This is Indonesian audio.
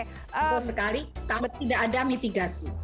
tidak sekali tapi tidak ada mitigasi